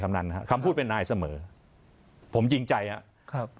นั่นฮะคำพูดเป็นนายเสมอผมจริงใจครับ